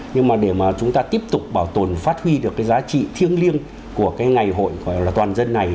nhưng mà để mà chúng ta tiếp tục bảo tồn phát huy được cái giá trị thiêng liêng của cái ngày hội gọi là toàn dân này